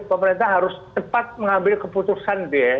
pemerintah harus cepat mengambil keputusan gitu ya